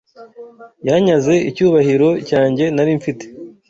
Yanyaze icyubahiro cyanjye nari mfite